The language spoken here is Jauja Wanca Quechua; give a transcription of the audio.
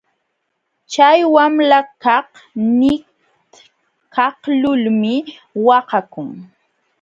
Chay wamlakaq nitkaqlulmi waqakun.